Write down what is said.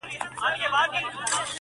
کوم ظالم رانه وژلې؛ د هنر سپینه ډېوه ده،